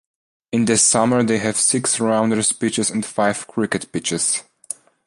In the summer they have six rounders pitches and five cricket pitches.